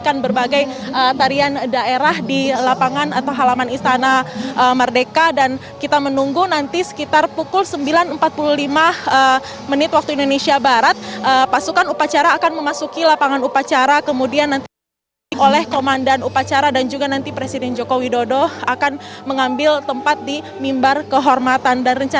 kira kira ini dari daerah mana